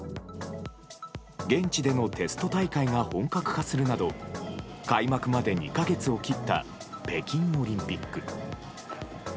現地でのテスト大会が本格化するなど開幕まで２か月を切った北京オリンピック。